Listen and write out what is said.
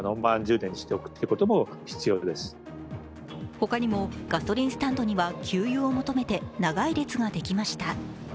他にもガソリンスタンドには給油を求めて長い列ができました。